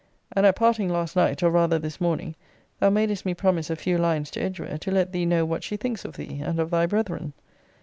And at parting last night, or rather this morning, thou madest me promise a few lines to Edgware, to let thee know what she thinks of thee, and of thy brethren.